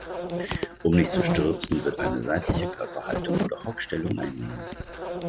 Um nicht zu stürzen, wird eine seitliche Körperhaltung oder Hockstellung eingenommen.